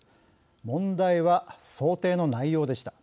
問題は想定の内容でした。